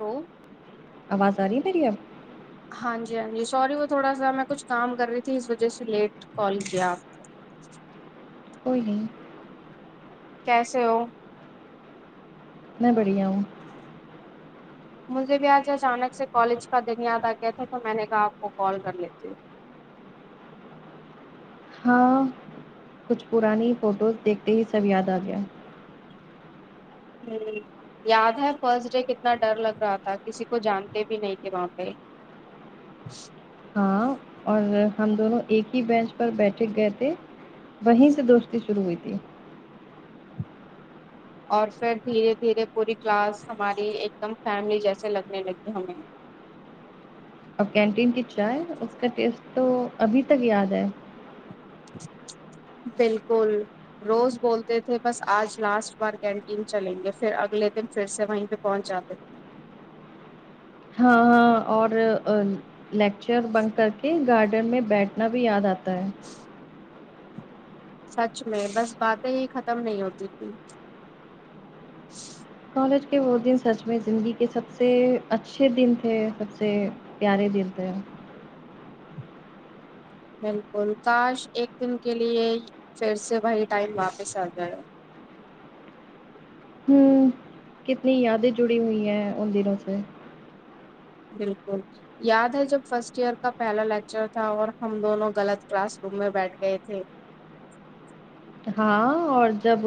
ہو آواز آ رہی ہے میری ا ب ہاں جی ہاں جی سوری وہ تھوڑا سا میں کچھ کام کر رہی تھی اس وجہ سے لیٹ کال کیا اپ کوئی نہیں کیسے ہو میں بڑھیا ہوں مجھے بھی آج اچانک سے کالج کا دن یاد آ گیا تھا تو میں نے کہا آپ کو کال کر لیتی ہوں ہاں کچھ پرانی فوٹوز دیکھتے ہی سب یاد آ گیا ہے ہوں یاد ہے فرسٹ ڈے کتنا ڈر لگ رہا تھا کسی کو جانتے بھی نہیں تھے وہاں پہ ہاں اور ہم دونوں ایک ہی بینچ پر بیٹھے گئے تھے وہیں سے دوستی شروع ہوئی تی اور فر دھیرے دھیرے پوری کلاس ہماری ایک دم فیملی جیسے لگنے لگی ہمیں اور کینٹین کی چائے اس کا ٹیسٹ تو ابھی تک یاد ہے بلکل روز بولتے تھے بس آج لاسٹ بار کینٹین چلیں گے فر اگلے دن فر سے وہیں پہ پہنچ جاتے تھے ہاں ہاں اور لیکچر بنک کر کے گارڈن میں بیٹھ نا بھی یاد آتا ہے سچ میں بس باتیں ہی ختم نہیں ہوتی تھی کالج کے وہ دن سچ میں زندگی کے سب سے اچھے دن تھے سب سے پیارے دن تھے بلکل کاش ایک دن کے لیے فر سے وہی ٹائم واپس آ جائے ہوں کتنی یادیں جڑی ہوئی ہیں ان دنوں سے بلکل یاد ہے جب فرسٹ ایئر کا پہلا لیکچر تھا اور ہم دونوں غلط کلاس روم میں بیٹھ گئے تھے ہاں اور جب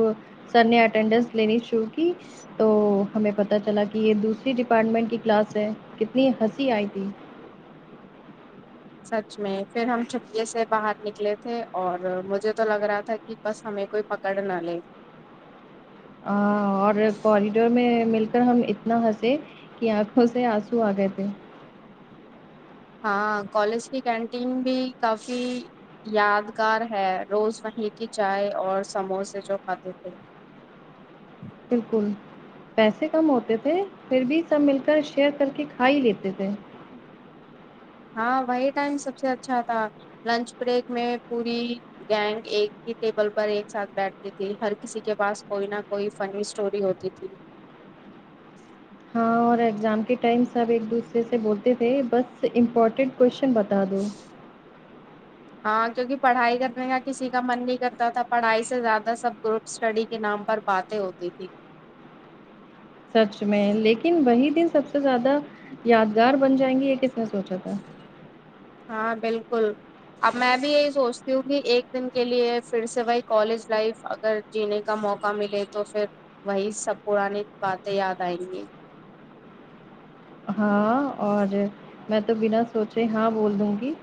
سر نے اٹینڈینس لینی شروع کی تو ہمیں پتہ چلا کہ یہ دوسری ڈپارٹمنٹ کی کلاس ہے کتنی ہنسی آئی تھی سچ میں فر ہم چپکے سے باہر نکلے تھے اور مجھے تو لگ رہا تھا کہ بس ہمیں کوئی پکڑ نہ لے ا اور کوریڈور میں مل کر ہم اتنا ہنسے کہ آنکھوں سے آنسو آگے تھے ہاں کالج کی کینٹین بھی کافی یادگار ہے روز وہیں کی چائے اور سموسے جو کھاتے تھے بلکل پیسے کم ہوتے تھے پھر بھی سب مل کر شیئر کر کے کھا ہی لیتے تھے ہاں وہی ٹائم سب سے اچھا تھا لنچ بریک میں پوری گینگ ایک ہی ٹیبل پر ایک ساتھ بیٹھتی تھی دن بھر کسی کے پاس کوئی نہ کوئی فنی اسٹوری ہوتی تھی ہاں اور ایگزام کے ٹائم سب ایک دوسرے سے بولتے تھے بس امپورٹنٹ کوشچن بتا بتا دو ہاں کیوںکہ پڑھائی کرنے کا کسی کا من نہیں کرتا تھا پڑھائی سے زیادہ سب کو اسٹڈی کے نام پر باتیں ہوتی تھی سچ میں لیکن وہی دن سب سے زیادہ یادگار بن جائیں گی یہ کس نے سوچا تھا ہاں بلکل اب میں بھی یہی سوچتی ہوں کہ ایک دن کے لیے پھر سے وہی کالج لائف اگر جینے کا موقع ملے تو فھر وہی سب پرانی باتیں یاد آئیں گی ہاں اور میں تو بنا سوچے ہاں بول دوں گی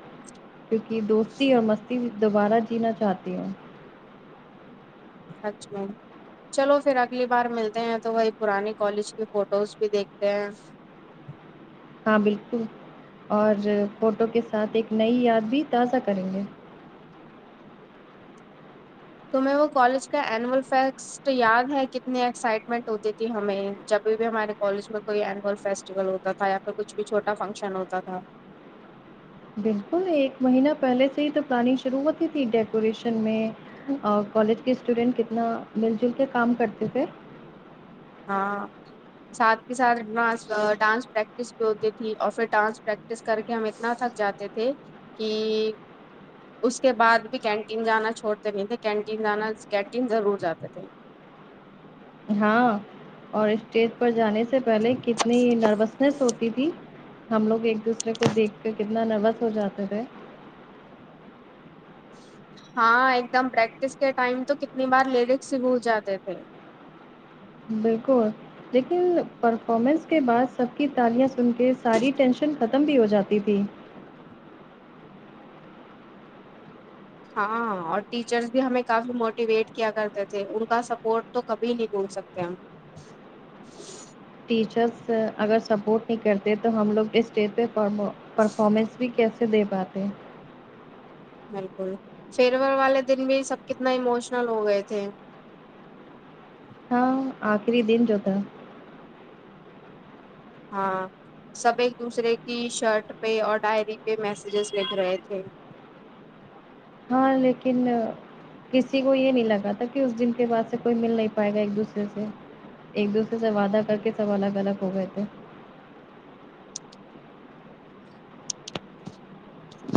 کیوںکہ دوستی اور مستی دوبارہ جینا چاہتی ہوں سچ میں چلو فھر اگلی بار ملتے ہیں تو وہی پرانی کالج کی فوٹوز بھی دیکھتے ہیں ہاں بلکل اور فوٹو کے ساتھ ایک نئی یاد بھی تازہ کریں گے تو میں وہ کالج کا اینول فیکس کچھ تو یاد ہے کتنی ایکسائٹمنٹ ہوتی تھی ہمیں جب بھی بھی ہمارے کالج میں کوئی اینوول فیسٹیول ہو تا تھا یا پھر کچھ کچھ چھوٹا فنکشن ہوتا تھا بلکل ایک مہینہ پہلے سے ہی تو پرانی شروع ہوتی تھی ڈیکوریشن میں اور کالج کے اسٹوڈینٹ کتنا مل جل کے کام کرتے تھے ہاں ساتھ کے ساتھ اپنہ ڈانس پریکٹس بولتی تھی اور فھر ڈانس پریک ٹس کر کے ہم اتنا تھک جاتے تھے کی اس کے بعد بھی کینٹین جانا چھوڑتے نہیں تھے کینٹین جانا کینٹین ضرور جاتے تھے ہاں اور اسٹیج پر جانے سے پہلے کتنی نروسنیس ہوتی تھی ہم لوگ ایک دوسرے کو دیکھ کے کتنا نروس ہو جاتے تھے ہاں ایک دم پریکٹس کے ٹائم تو کتنی بار لیرکس ہی بھول جاتے تھے بلکل لیکن پرفارمنس کے بعد سب کی تالیاں سن کے ساری ٹینشن ختم بھی ہو جاتی تھی ہاں اور ٹیچرس بھی ہمیں کافی موٹیویٹ کیا کرتے تھے ان کا سپورٹ تو کبھی نہیں بھول سکتے ہم ٹیچرس اگر سپورٹ نہیں کرتے تو ہم لوگ اس اسٹیج پہ پرفارمنس بھی کیسے دے پاتے ہیں بلکل فرویر والے دن بھی سب کتنا اموشنل ہو گئے تھے ہاں آخری دن جو تھا ہاں سب ایک دوسرے کی شرٹ پہ اور ڈائری پہ میسیجز لکھ رہے تھے ہاں لیکن کسی کو یہ نہیں لگا تھا کہ اس دن کے بعد سے کوئی مل نہیں پائے گا ایک دوسرے سے ایک دوسرے سے وعدہ کر کے سب الگ الگ ہو گئے تھے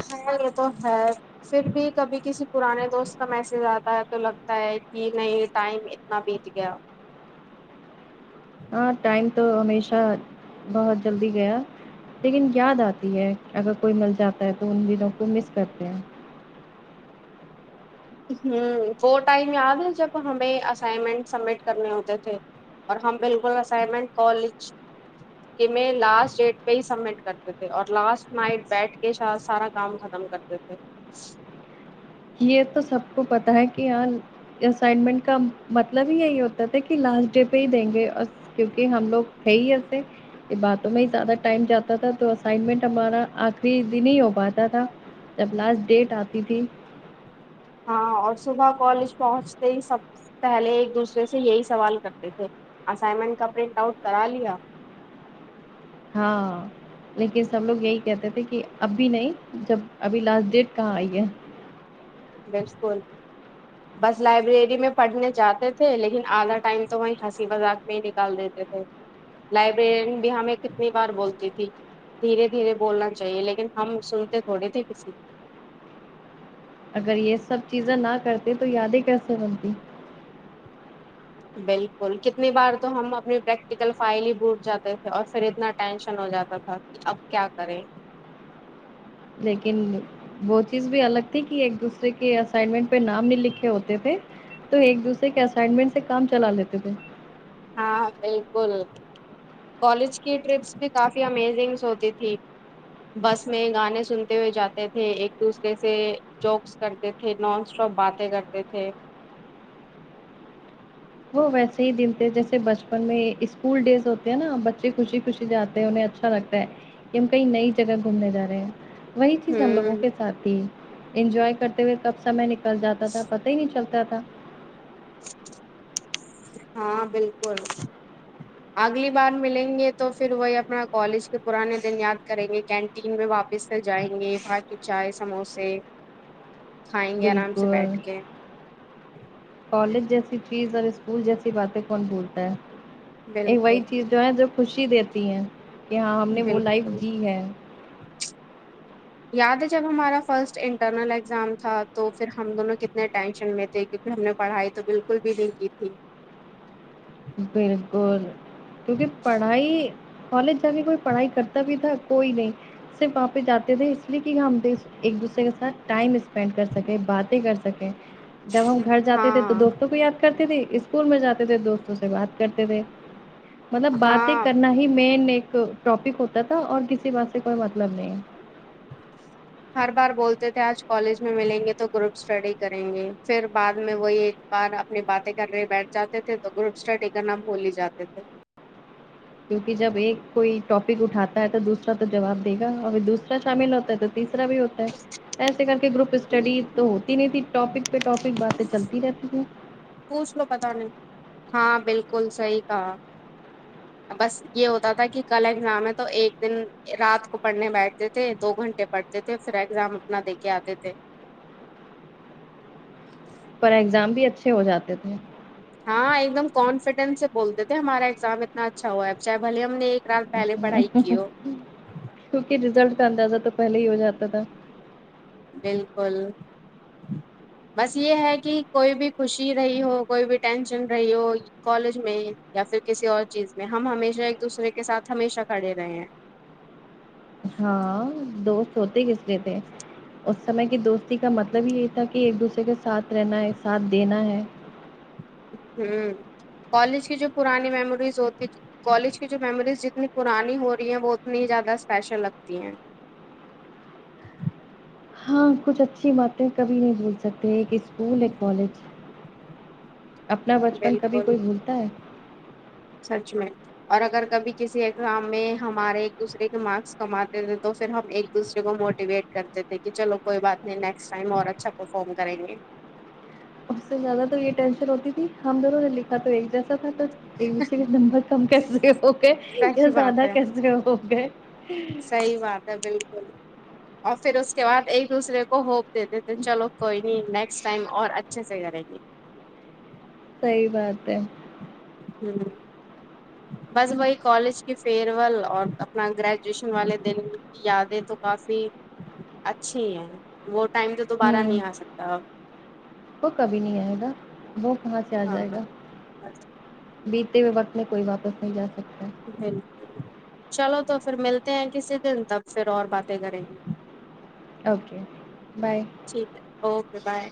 ہاے رتو ہاے پھر بھی کبھی کسی پرانے دوست میسج آتا ہے تو لگتا ہے کہ نہیں ٹائم کتنا بید گیا ہاں ٹائم تو ہمیشہ بہت جلدی گیا لیکن یاد آتی ہے اگر کوئی مل جاتا ہے تو ان دنوں کو مس کرتے ہیں ھمم وہ ٹائم یاد ہے جب ہمیں اسائنمنٹ سبمٹ کرنے ہوتے تھے اور ہم بلکل اسائنمنٹ کالج کہ میں لاسٹ ڈیٹ پہ ہی سبمٹ کرتے تھے اور لاسٹ نائٹ بیٹھ کے سارا کام ختم کرتے تھے یہ تو سب کو پتا ہے کہ اں اسائنمنٹ کا مطلب ہی یہی ہوتا تھا کہ لاسٹ ڈے پہ ہی دیں گے کیونکہ ہم لوگ ہے ہی ایسے باتوں میں ہی زیادہ ٹائم جاتا تھا تو اسائنمنٹ ہمارا آخری دن ہی ہو پاتا تھا جب لاسٹ ڈیٹ آتی تھی ہاں اور صبح کالج پہنچتے ہی سب پہلے ایک دوسرے سے یہی سوال کرتے تھے اسائنمنٹ کا پرنٹ آؤٹ کرا لیا ہاں لیکن سب لوگ یہی کہتے تھے کہ اب بھی نہیں جب ابھی لاسٹ ڈیٹ کہاں آئی ہے بلکل بس لائبریری میں پڑھنے جاتے تھے لیکن آدھا ٹائم تو وہیں ہنسی مذاق میں ہی نکال دیتے تھے لائبریرین بھی ہمیں کتنی بار بولتی تھی دھیرے دھیرے بولنا چاہیے لیکن ہم سنتے تھوڑے تھے کسی کی اگر یہ سب چیزیں نہ کرتے تو یادیں کیسے بنتی بلکل کتنی بار تو ہم اپنی پریکٹیکل فائل ہی بھٹ جاتے تھے اور فھر اتنا ٹینشن ہو جاتا تھا اب کیا کریں لیکن وہ چیز بھی الگ تھی کہ ایک دوسرے کے اسائنمنٹ پہ نام نہیں لکھے ہوتے تھے تو ایک دوسرے کے اسائنمنٹ سے کام چلا لیتے تھے ہاں بلکل کالج کی ٹرپس بھی کافی امیزنگس ہوتی تھی بس میں گانے سنتے ہوئے جاتے تھے ایک دوسرے سے جوکس کرتے تھے نان اسٹاپ باتیں کرتے تھے وہ ویسے ہی دن تھے جیسے بچپن میں اسکول ڈیز ہوتے ہیں نا بچے خوشی خوشی جاتے ہیں انہیں اچھ اچھا لگتا ہے کہ ہم کئی نئی جگہ گھومنے جا رہے ہیں وہی چیز ہم لوگوں ہوں کے ساتھ بھی انجوائے کرتے ہوئے کب سمے نکل چل جاتا تھا پتہ ہی نہیں چلتا تھا ہاں بلکل اگلی بار ملیں گے تو فھر وہی اپنا کالج کے پرانے دن یاد کریں گے کینٹ تین میں واپس سے جائیں گے ہیپی چائے سموسے کھائیں گے بلک آرام سے بیٹھ کے کالج جیسی چیز اور اسکول جیسی باتیں کون بھولتا ہے ایک وہی بالکل چیز جو ہے جو خوشی دیتی ہے کہ ہاں ہم نے وہ لائف بالکل جی ہے یاد ہے جب ہمارا فرسٹ انٹرنل ایگزام تھا تو فھر ہم دونوں کتنے ٹینشن میں تھے تھ کیونکہ ہم نے پڑھائی تو بالکل بھی نہیں کی تھی بلکل کیونکہ پڑھائی کالج جا کے کوئی پڑھائی کرتا بھی تھا کوئی نہیں صرف وہاں پے جاتے تھے اس لیے کہ ہم پے ایک دوسرے کے ساتھ ٹائم اسپینڈ کر سکیں باتیں کر سکیں جب ہم گھر جاتے تھے تو ہاں دوستوں کو یاد کرتے تے اسکول میں جاتے تھے دوست سے بات کرتے تھے مطلب باتیں ہاں کرنا ہی مین ایک ٹاپک ہوتا تھا اور کسی بات سے کوئی مطلب نہیں ہے ہر بار بولتے تھے آج کالج میں ملیں گے تو گروپ اسٹڈی کریں گے پھر بعد میں وہ یہ بار اپنے باتیں کر رہے بیٹھ جاتے تھے تو گروپ اسٹڈی کرنا بھول ہی جاتے تھے کیوںکہ جب ایک کوئی ٹاپک اٹھاتا ہے تو دوسرا تو جواب دے گا ا دوسرا شامل ہوتا ہے تو تیسرا بھی ہوتا ہے ایسے کر کے گروپ اسٹڈی تو ہوتی نہیں تھی ٹاپک پہ ٹاپک باتیں چلتی رہتی ہے پوچھ لو پتا نہیں ہاں بالکل صحیح کہا بس یہ ہوتا تھا کہ کل ایگزام ہے تو ایک دن رات کو پڑھنے بیٹھتے تھے دو گھنٹے پڑھتے تھے پھر ایگزام اپنا دے کے آتے تھے پر ایگزام بھی اچھے ہو جاتے تھے ہاں ایک دم کانفیڈینس سے بولتے تھے ہمارا ایگزام اتنا اچھا ہوا ہے چاہے بھلے ہم نے ایک رات پہلے پڑھائی کی ہو کیونکہ رزلٹ کا اندازہ تو پہلے ہی ہو جاتا تھا بالکل بس یہ ہے کہ کوئی بھی خوشی رہی ہو کوئی بھی ٹینشن رہی ہو کالج میں یا پھر کسی اور چیز میں ہم ہمیشہ ایک دوسرے کے ساتھ ہمیشہ کھڑے رہے ہیں ہاں دوست ہوتے کس لیے تھے اس سمے کی دوستی کا مطلب ہی یہی تھا کہ ایک دوسرے کے ساتھ رہنا ہے ایک ساتھ دینا ہے ہوں کالج کی جو پرانی میموریز ہوتی کالج کی جو میموریز جتنی پرانی ہو رہی ہے وہ اتنی زیادہ اسپیشل لگتی ہیں ہاں کچھ اچھی باتیں کبھی نہیں بھول سکتے ایک اسکول ایک کالج اپنا بچپن کبھی بالکل کوئی بھولتا ہے سچ میں اور اگر کبھی کسی ایگزام میں ہمارے ایک دوسرے کے مارکس کم اتے تھے تو پھر ہم ایک دوسرے کو موٹیویٹ کرتے تھے کہ چلو کوئی بات نہیں نیکسٹ ٹائم اور اچھا پرفارم کریں گے اس سے زیادہ تو یہ ٹینشن ہوتی تھی ہم دونوں نے لکھا تو ایک جیسا تھا تو آئیسرے نمبر کم کیسے ہو گئے یا صحیح بات زیادہ کیسے ہو گئے کئی بات بالکل اور پھر اس کے بعد ایک دوسرے کو ہوپ دیتے تھے چلو کوئی نہیں نیکسٹ ٹائم اور اچھے سے کریں گے صحیح بات ہے ہوں بس وہی کالج کی فیئر ول اور اپنا گریجویشن والے دن یادیں تو کافی اچھی ہیں وہ ٹائم تو دوبارہ ہوں نہیں آ سکتا اب وہ کبھی نہیں آئے گا وہ کہاں سے آ جائے اب گا ہاں بیتے ہوئے وقت میں کوئی واپس نہیں جا سکتا ہے بالکل چلو تو پھر ملتے ہیں کسی دن تب پھر اور باتیں کریں گے اوکے بائے ٹھیک ہے اوکے بائے